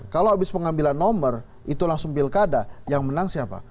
kalau habis pengambilan nomor itu langsung pilkada yang menang siapa